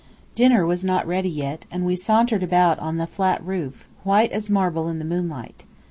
Dinner was not ready yet, and we sauntered about on the flat roof, white as marble in the moonlight.